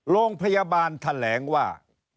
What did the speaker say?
โรงพยาบาลแถลงว่า